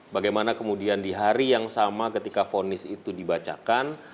bagaimana kemudian di hari yang sama ketika fonis itu dibacakan